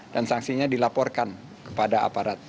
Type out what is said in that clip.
dan sanksinya dilaporkan kepada aparat